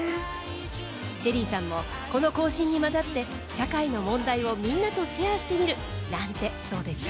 ＳＨＥＬＬＹさんもこの行進に交ざって社会の問題をみんなとシェアしてみるなんてどうですか？